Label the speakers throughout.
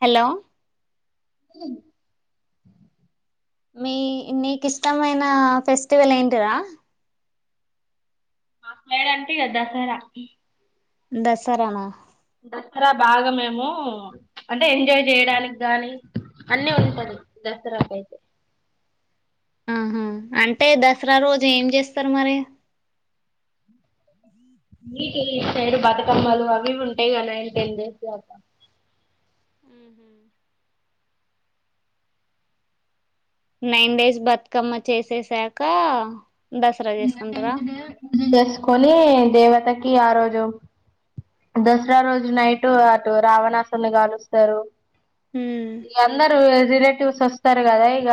Speaker 1: Hello
Speaker 2: హ్మ్
Speaker 1: మీ నీకు ఇష్టమైన ఫెస్టివల్ ఏంటిరా?
Speaker 2: మాట్లాడు అంటే ఇగ దసరా
Speaker 1: దసరానా?
Speaker 2: దసరా బాగా మేము అంటే ఎంజాయ్ చేయడానికి గాని, అన్ని ఉంటది దసరాకి
Speaker 1: ఆహా అంటే దసరా రోజు ఏం చేస్తారు మరి!?
Speaker 2: ఇటుసైడు బతుకమ్మలు అవి ఇవ్వి ఉంటాయి కదా ఇ టెన్ డేస్ దాకా
Speaker 1: నైన్ డేస్ బతుకమ్మ చేసే సాక
Speaker 2: పూజ చేసుకొని దేవతకి ఆ రోజు దసరా రోజు నైటు అటు రావణాసుని కాలు స్తారు ఇగ అందరు రిలేటివ్స్ వస్తారు కదా ఇక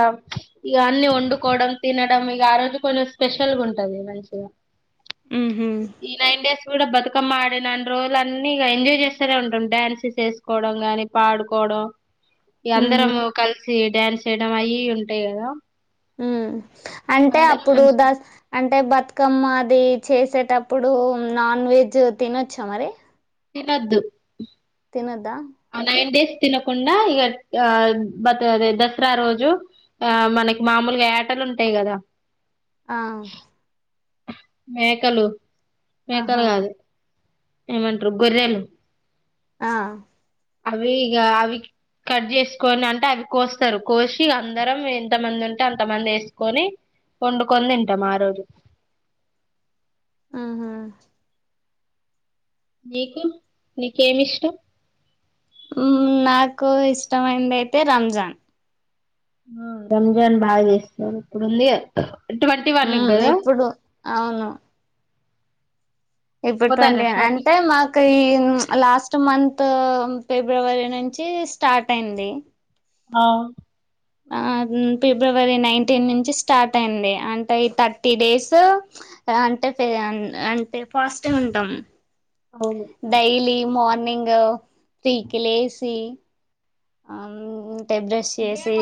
Speaker 2: ఇ అన్ని వండుకోవడం తినడం ఇక ఆ రోజు కొంచెం స్పెషల్ ఉంటది మంచిగా
Speaker 1: ఆ
Speaker 2: ఈ నైన్ డేస్ కూడా బతుకమ్మ ఆడిన. రోజులు అన్ని ఇగ ఎంజాయ్ చేస్తేనే ఉంటాం డ్యాన్సస్ చేసుకోవడం, గానీ పాడుకోవడం. ఇగ
Speaker 1: ఉహు
Speaker 2: అందరము కలిసి డ్యాన్స్ చేయడం అయ్యి ఇయ్యి ఉంటాయి కదా!
Speaker 1: ఉ అంటే
Speaker 2: అందరం
Speaker 1: అప్పుడు
Speaker 2: మంచి
Speaker 1: దస్ అం అంటే బతుకమ్మ అది చేసేటప్పుడు నాన్ వెజ్ తినొచ్చా మరి?
Speaker 2: తినొద్దు.
Speaker 1: తినోద్దా!?
Speaker 2: టెండేస్ తినకుండా ఇ బాత్ అది దసరా రోజు మనకి మాములు వేటలు ఉంటాయి కదా.
Speaker 1: ఆ
Speaker 2: మేకలు మేకలు
Speaker 1: ఆహా
Speaker 2: కాదు ఎమట్రూ గొర్రెలు
Speaker 1: ఆ
Speaker 2: అవి గా అవి కట్ చేసుకొని అంటే అవి కోస్తారు కోసి అందరం ఎంతమంది ఉంటే అంతమంది ఎసుకొని ఓండుకొని తింటాం ఆ రోజు
Speaker 1: ఆహా!
Speaker 2: నీకు నీకేమి ఇష్టం?
Speaker 1: నాకు ఇష్టమైంది అయితే రంజాన్
Speaker 2: రంజాన్ బాగా చేస్తారు ఇప్పుడుంది ట్వంటీ వన్
Speaker 1: హ్మ్
Speaker 2: గదా
Speaker 1: ఇప్పుడు అవును ఇప్పుడు ట్వంటీ
Speaker 2: షాపింగ్
Speaker 1: అంటే
Speaker 2: కి
Speaker 1: మాకు ఈ లాస్ట్ మంత్ త్ ఫిబ్రవరి నుంచి స్టార్ట్ అయింది.
Speaker 2: ఆ
Speaker 1: ఆ ఫిబ్రవరి నైన్టీన్ నుంచి స్టార్ట్ అయింది అంటే ఈ థర్టీ డేసు ఆ అంటే అంటే పాజటివ్ ఉంటాం.
Speaker 2: అవును
Speaker 1: డైలీ మార్నింగ్ త్రి కి లేసి అ టె బ్రష్ చేసి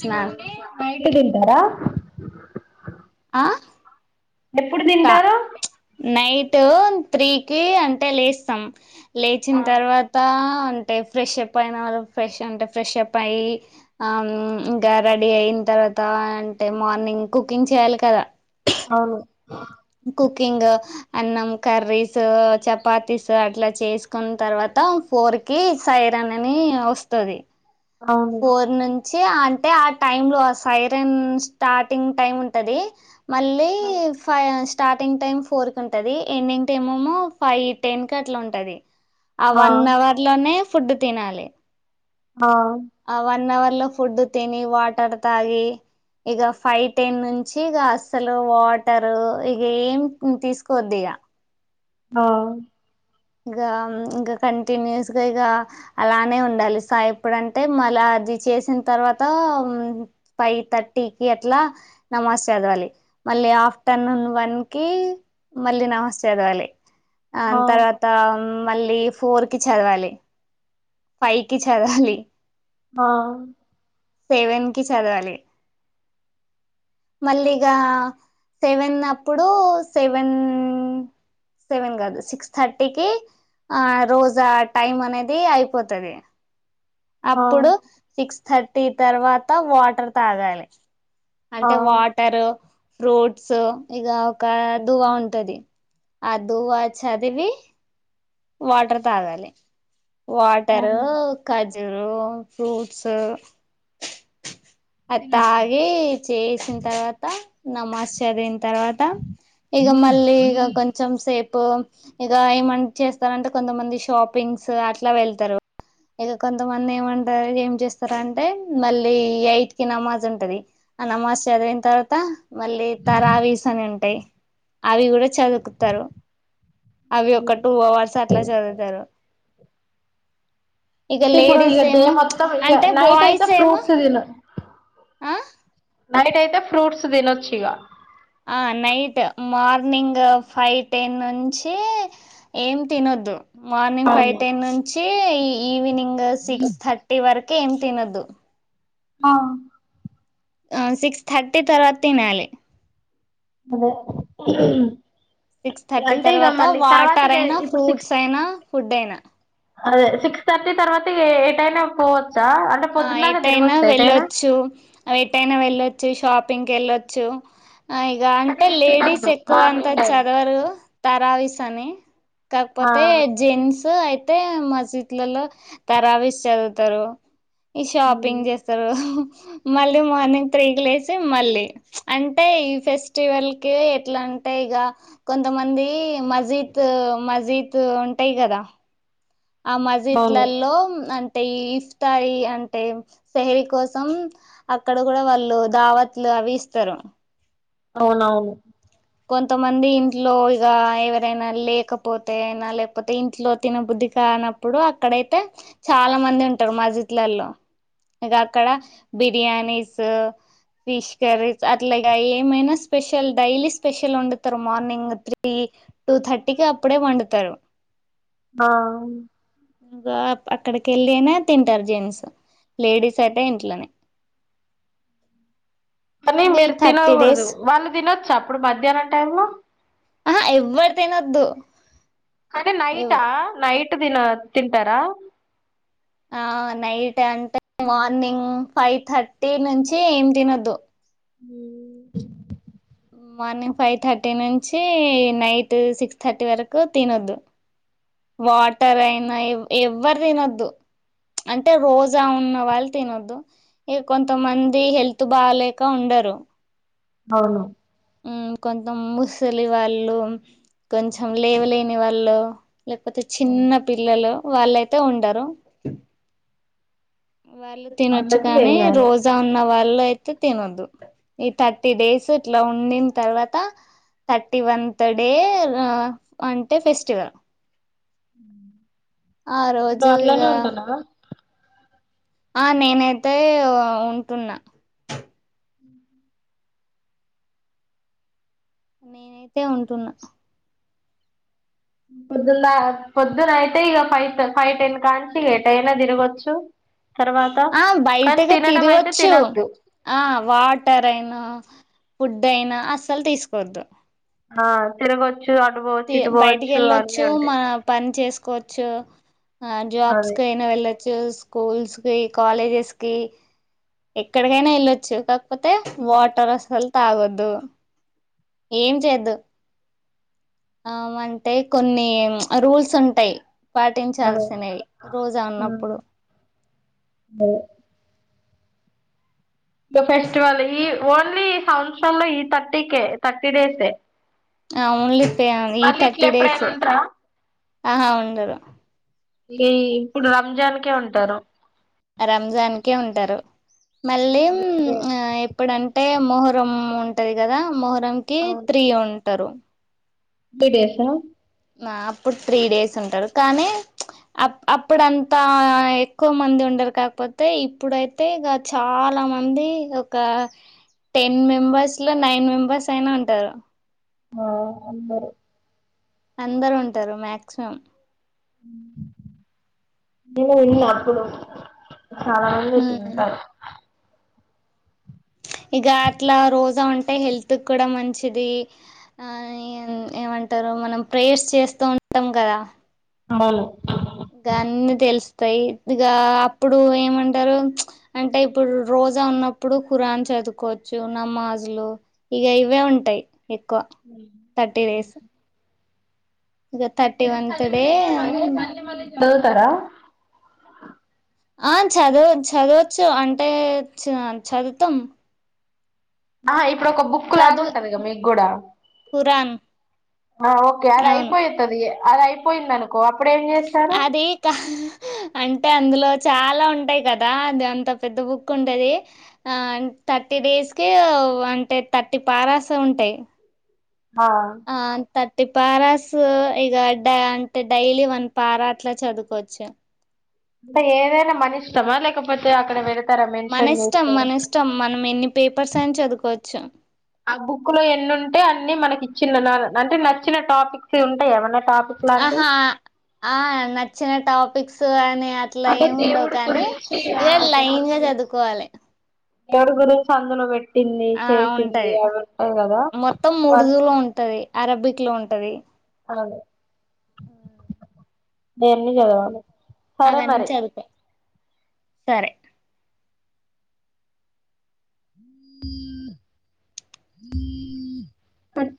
Speaker 1: స్నా
Speaker 2: నైట్ తింటారా
Speaker 1: ఆ
Speaker 2: ఎప్పుడు
Speaker 1: కా
Speaker 2: తింటారు
Speaker 1: నైట్ త్రీకి అంటే లేస్తాం లేచిన తర్వాత అంటే ఫ్రెష్ప్ అయిన వాళ్ళు ఫ్రెష్ అంటే ఫ్రెష్ప్ అయ్యి ఆ ఇంకా రెడీ అయి ఇంత తర్వాత అంటే మార్నింగ్ కుకింగ్ చేయాలి కదా
Speaker 2: అవును
Speaker 1: కుకింగ్ అన్నం కర్రీస్ చపాతీస్ అట్లా చేసుకున్న తర్వాత మొత్తం ఫోర్ కి సైరన్ అని వస్తది
Speaker 2: అవును
Speaker 1: ఫోర్ నుంచి అంటే ఆ టైం సైరన్ స్టార్టింగ్ టైమ్ ఉంటంది మళ్ళీ స్టార్టింగ్ టైం ఫోర్ కి ఉంటది ఎండింగ్ టైమ్ ఏమో ఫైవ్ టెన్ కి అట్లా ఉంటది ఆ వన్ అవర్ లోనే ఫుడ్ తినాలి
Speaker 2: ఆ
Speaker 1: ఆ వన్ అవర్ లో ఫుడ్ తిని వాటర్ తాగి ఇక ఫైవ్ టెన్ నుంచి ఇక అస్సలు వాటర్ ఇక ఏం తీసుకోద్ది
Speaker 2: ఆ
Speaker 1: ఇక ఇంకా కంటిన్యూస్ గా ఇక అలానే ఉండాలి స ఎప్పుడంటే మళ అది చేసిన తర్వాత ఫైవ్ థర్టీకిి అట్లా నమాజ్ చదవాలి మళ్ళీ ఆఫ్టర్నూన్ వన్ క మళ్ళీ నమాజ్ చదవాలి ఆ తర్వాత మళ్ళీ ఫోర్ కి చదవాలి పైకి చదవాలి
Speaker 2: ఆ
Speaker 1: సేవెన్ కి చదవాలి మళ్ళీగా సెవెన్ అప్పుడు సెవెన్ సెవెన్ కాదు సిక్స్ థర్టీకి ఆ రోజా టైమ్ అనేది అయిపోతది
Speaker 2: ఆ
Speaker 1: అప్పుడు సిక్స్ థర్టీ తర్వాత వాటర్ తాగాలి
Speaker 2: ఆ
Speaker 1: అంటే వాటరు ఫ్రూట్స్ ఇక ఒక దువా ఉంటది అ దువ్వ చదివి వాటర్ తాగాలి వాటరు
Speaker 2: అవును.
Speaker 1: జరు ఫ్రూట్స్ అది తాగి చేసిన తర్వాత నమాజ్ చదివిన తర్వాత ఇగ మళ్ళీ ఈ కొంచెం సేపు ఈగ ఏమంటే ఏంచేస్తారంటే కొంతమంది షాపింగ్స్ అట్లా వెళ్తారు ఇక కొంతమంది ఏమంటారు ఏం చేస్తార అంటే మళ్ళీ ఐట్కి నమాజ్ ఉంటది అ నమాజ్ చదివిన తర్వాత మళ్ళీ తరావిస్ అని ఉంటాయి అవి కూడా చదుకుతారు అవి ఒక టూ అవర్స్ అట్లా చదువుతారు ఇక
Speaker 2: అంటే ఇప్పుడు ఇక
Speaker 1: లేడీస్
Speaker 2: డే
Speaker 1: ఏమో
Speaker 2: మొత్తం ఇక
Speaker 1: అంటే
Speaker 2: నైట్ అయితే
Speaker 1: బాయ్స్ ఏమో
Speaker 2: ఫ్రూట్స్ తిను
Speaker 1: ఆ
Speaker 2: నైట్ అయితే ఫ్రూట్స్ తినొచ్చు ఇగా
Speaker 1: ఆ నైట్ మార్నింగ్ ఫైవ్ టెన్ నుంచి ఏం తినొద్దు మార్నింగ్ ఫైవ్
Speaker 2: అవును
Speaker 1: టెన్ నుంచి ఈవినింగ్ సిక్స్ థర్టీ వరకు అందుకే ఏం తినద్దు
Speaker 2: ఆ
Speaker 1: ఆ సిక్స్ థర్టీ తర్వాత తినాలి
Speaker 2: దగ్గు సౌండ్
Speaker 1: సిక్స్ థర్టీ తర్వాత
Speaker 2: తర్వాత
Speaker 1: వాటర్
Speaker 2: ఇక
Speaker 1: అయినా
Speaker 2: ఇప్పుడు
Speaker 1: ఫ్రూట్స్
Speaker 2: సిక్స్
Speaker 1: అయినా ఫుడ్ అయినా
Speaker 2: అదే సిక్స్ థర్టీ తర్వాత ఎయిట్ అయినా పోవచ్చు
Speaker 1: ఆ ఎటైనా వెళ్ళొచ్చు ఎటైనా వెళ్ళొచ్చు షాప్ కు పిక్నిక్ వెళ్ళొచ్చు ఇగ అంటే లేడీస్ ఎక్కువ అంతా
Speaker 2: మార్నింగ్ టైమ్
Speaker 1: చదవరు తరావస్ అని
Speaker 2: ఆ
Speaker 1: కాకపోతే జెంట్స్ అయితే మసీద్ లో తరావస్ చదువుతారు ఈ షాపింగ్ చేస్తారు మళ్ళీ మార్నింగ్ త్రీ క లేసి మళ్ళీ అంటే ఈ ఫెస్టివల్ కి ఎట్లా ఉంటాయిగా కొంతమంది మజీత్ మజీత్ ఉంటాయి కదా ఆ
Speaker 2: అవును
Speaker 1: మజిద్లలో అ టె ఈ ఇఫ్తాయి అంటే సహరి కోసం అక్కడ కూడా వాళ్ళు దావత్లు అవి ఇస్తారు
Speaker 2: ఔనవును
Speaker 1: కొంతమంది ఇంట్లో ఇగా ఎవరైనా లేకపోతేనా లేకపోతే ఇంట్లో తినబుద్ధి కాకపోతే కానప్పుడు అక్కడైతే చాలా మంది ఉంటారు మజీద్ లల్లో ఇంకా అక్కడ బిర్యానీసు ఫిష్ కరీస్ అట్లాగా ఏమైనా స్పెషల్ డైలీస్ స్పెషల్ వండుతరు మార్నింగ్ త్రీ టూ థర్టీకి అప్పుడే వండుతారు
Speaker 2: ఆ
Speaker 1: ఇంగా అక్కడికి ఏళ్ళైన తింటారు జెంట్స్ లేడీస్ అయితే ఇంట్లోనే
Speaker 2: కానీ
Speaker 1: ఇంగ ఈ
Speaker 2: మీరు
Speaker 1: థర్టీ డేస్
Speaker 2: తినకుడదు వాళ్ళు తినొచ్చు చ అప్పుడు మధ్యాహ్నం టైము లో
Speaker 1: ఆహా ఎవ్వరు తినొద్దు
Speaker 2: అది నైట్
Speaker 1: ఎవ్
Speaker 2: ఆ నైట్ తింటారా
Speaker 1: ఆ నైట్ అంటే మార్నింగ్ ఫైవ్ థర్టీ నుంచి ఏం తినొద్దు
Speaker 2: ఉమ్
Speaker 1: మార్నింగ్ ఫైవ్ థర్టీ నుంచి నైట్ సిక్స్ థర్టీ వరకు తినొద్దు వాటర్ అయినా ఎవ్ ఎవ్వరు తినొద్దు ప్చ్ అంటే రోజా ఉన్న వాళ్ళు తినొద్దు ఇక కొంతమంది హెల్త్ బాగాలేక ఉండ రు
Speaker 2: అవును
Speaker 1: ఉం కొంతం ముసలి వాళ్ళు కొంచెం లేవలేని వాళ్ళు లేకపోతే
Speaker 2: అవును.
Speaker 1: చిన్న పిల్లలు వాళ్ళయితే ఉండరు వాళ్ళు తినొచ్చు
Speaker 2: వాళ్ళకి
Speaker 1: కాని
Speaker 2: ఏం కాదు
Speaker 1: రోజా ఉన్న వాళ్ళు అయి తే తినద్దు ఈ థర్టీ డేస్ ఇట్లా ఉండిన తర్వాత థర్టీ వంత్ డే హ అంటే ఫెస్టివల్ ఆ
Speaker 2: ఇప్పుడు
Speaker 1: రోజు ఇగ
Speaker 2: అట్లనే ఉంటున్నావా
Speaker 1: ఆ నేనైతే ఉంటున్నా
Speaker 2: ఉ [unintelligible]
Speaker 1: నేనైతే ఉంటున్నా
Speaker 2: పొద్దున్న పొద్దున ఐతె ఇగ ఫైవ్ ఫైవ్ టెన్ కానించి ఎటైనా తిరగొచ్చు తర్వాత
Speaker 1: ఆ
Speaker 2: కానీ
Speaker 1: బయటగా
Speaker 2: తినడం అయితే
Speaker 1: తిరగొచ్చు
Speaker 2: తినొద్దు
Speaker 1: ఆ వాటర్ అయినా ఫుడ్ అయినా అస్సలు తీసుకోద్దు
Speaker 2: ఆ తిరగోచ్చు అటు పోవచ్చు ఇటు పోవచ్చు అన్నీ ఉంటాయి
Speaker 1: కొచ్చు ఆ జాబ్స్
Speaker 2: అదే
Speaker 1: కి అయినా వెళ్ళచ్చు చ్చు స్కూల్స్ కి కాలేజెస్ కి ఎక్కడికైనా ఎళ్ళొచ్చు కాకపోతే వాటర్ అసలు తాగద్దు ఏం చెద్దు ఆ అంటే కొన్ని రూల్స్ ఉంటాయి
Speaker 2: అదే
Speaker 1: పాటించాల్సినవి రోజా ఉన్నప్పుడు
Speaker 2: మ్మ్ ఫెస్టివల్ ఈ ఓన్లీ సంవత్సరంలో ఈ థర్టీకే థర్టీ డేస్ ఎ
Speaker 1: ఆవును లిపియా ఈ థర్టీ డేస్
Speaker 2: ఎప్పుడైనా
Speaker 1: ఎ
Speaker 2: ఉంటారా
Speaker 1: ఆహా ఉండరు
Speaker 2: ఈ ఇప్పుడు రంజాన్ కె ఉంటారు
Speaker 1: రంజాన్ కె ఉంటారు మళ్ళీ
Speaker 2: ఇదే
Speaker 1: ఎప్పుడంటే మొహరం ఉంటాది గదా. ! మొహరంకి త్రీ ఉంటారు.
Speaker 2: గిడేసా. !
Speaker 1: ఆ అప్పుడు త్రీ డేస్ ఉంటారు కానీ.. అప్ అప్పుడంతా ఎక్కువ మంది ఉండరు కాక్పోతే ఇప్పుడైతే ఇగ చాలా. చాలా మంది ఒక టెన్ మెంబర్స్లో, నైన్ మెంబర్సైనా ఉంటారు.
Speaker 2: ఆ అందరూ.
Speaker 1: అందరుంటారు మాక్సిమం.
Speaker 2: ఊ [inaudible] అప్పుడు. చాలా మంది తినుంటారు. [unintelligible]
Speaker 1: ఇక అట్లా రోజా ఉంటే హెల్త్ కూడా మంచిది ఆ ఏమంటారు మనం ప్రేర్స్ చేస్తా టాం గదా. !
Speaker 2: ఆడొల్లే.
Speaker 1: గన్నీ తెలుస్తాయి. ఇగా అప్పుడు ఏమంటరు ప్చ్ అంటే ఇప్పుడు రో. రోజన్నప్పుడు ఖురాన్ చదువుకోవచ్చు, నమాజులు ఇక ఇవే ఉంటాయి. ఎక్కువ. Thirty days. ఇక థర్టీ
Speaker 2: మీరు
Speaker 1: వన్త్ డే
Speaker 2: చదివినయె మళ్ళీ మళ్ళీ మళ్లీ చదువుతారా. !?
Speaker 1: ఆ చదువొ చదవొచ్చు అంటే చా చదుతాం.
Speaker 2: ఆ ఇప్పుడొక బుక్
Speaker 1: చదివి
Speaker 2: లాగుంటదిగా మీగూడా.?
Speaker 1: ఖురాన్ !
Speaker 2: ఆ ఓకే
Speaker 1: అవును
Speaker 2: అదయిపోయితది అదయిపోయిందనుకో అప్.
Speaker 1: అది కాహాహా అంటే అందులో. చాలా ఉంటాయి కదా అదంతా పెద్ద బుక్ ఉంటాది ఆ థర్టీ డేస్ కి. ఓ అంటే థర్టి పారాస్ ఉంటాయి.
Speaker 2: న్హా.
Speaker 1: ఆ థర్టీ పారాస్ ఇగా డా అంటే డైలీ వన్ పారా అట్లా చదుకోచ్చు.
Speaker 2: అంటే ఏదైనా మనిష్టమా లేకపోతే అక్కడ వెరే.? !
Speaker 1: మన ఇష్టం, మన ఇష్టం మనం ఎన్ని పేపర్సైనా చదుకోచ్చు.
Speaker 2: ఆ బుక్ లో ఎన్నుంటే అన్ని మనకి ఇచ్చిననా నంటే నచ్చిన టాపిక్స్ ఉంటాయెమనా.? !
Speaker 1: ఆహా అ ఆ నచ్చిన టాపిక్స్ అని. అట్లా
Speaker 2: అంటే
Speaker 1: ఏమి ఉండవు
Speaker 2: దేవుడి
Speaker 1: కానీ
Speaker 2: గురించి
Speaker 1: ఇగ లైన్గా జదువుకోవాలి.
Speaker 2: ఏవ్రు గురించి అందులో బెట్టింది,
Speaker 1: ఆ
Speaker 2: చేసింది
Speaker 1: ఉంటది
Speaker 2: అవి ఉంటాయి గదా
Speaker 1: మొత్తం
Speaker 2: వా.
Speaker 1: ఉర్దూలో ఉంటది అరబిక్ లో ఉంటది.
Speaker 2: హాలో. దేన్మీద బొవాలె.
Speaker 1: అవాన్న్ చదుతే. సరే. !
Speaker 2: పాట్